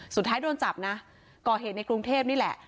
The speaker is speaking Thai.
สุดท้ายโดนจับนะก่อเหตุในกรุงเทพนี่แหละ